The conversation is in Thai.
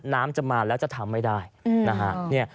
น้ำจะมาแล้วจะทำไม่ได้นะฮะ